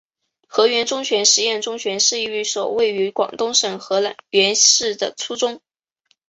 河源中学实验学校是一所位于广东省河源市的初中。